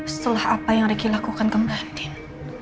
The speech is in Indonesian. setelah apa yang riki lakukan ke bandin